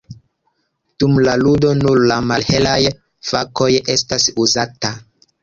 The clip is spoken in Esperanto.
Dum la ludo nur la malhelaj fakoj estas uzataj.